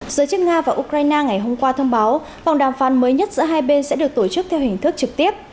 giới chức nga và ukraine ngày hôm qua thông báo vòng đàm phán mới nhất giữa hai bên sẽ được tổ chức theo hình thức trực tiếp